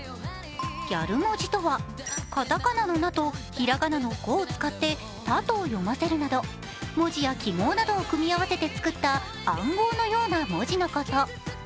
ギャル文字とは、片仮名の「ナ」と平仮名の「こ」を使って「た」と読ませるなど文字や記号を組み合わせて作った暗号のような文字のこと。